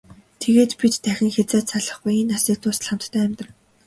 Тэгээд бид дахин хэзээ ч салахгүй, энэ насыг дуустал хамтдаа амьдарна.